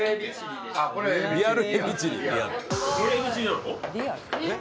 リアル海老チリ？